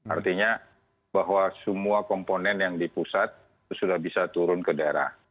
artinya bahwa semua komponen yang di pusat sudah bisa turun ke daerah